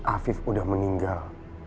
afif udah meninggal